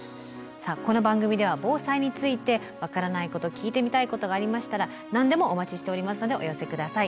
さあこの番組では防災について分からないこと聞いてみたいことがありましたら何でもお待ちしておりますのでお寄せ下さい。